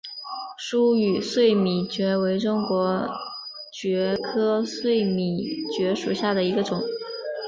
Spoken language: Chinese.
疏羽碎米蕨为中国蕨科碎米蕨属下的一个种。